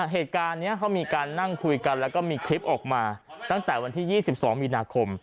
เหตุการณ์นี้เขามีการนั่งคุยกันแล้วก็มีคลิปออกมาตั้งแต่วันที่๒๒มีนาคม